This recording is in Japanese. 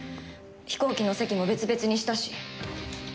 飛行機の席も別々にしたし。